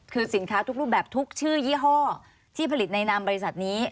คือสินค้าทุกรูปแบบทุกชื่อยี่ห้อที่ผลิตในนามบริษัทนี้